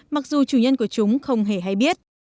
mặc dù chủ nhân của chúng không hề hay biết